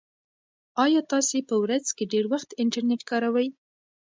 ایا تاسي په ورځ کې ډېر وخت انټرنيټ کاروئ؟